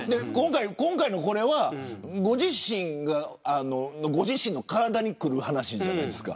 今回はご自身の体にくる話じゃないですか。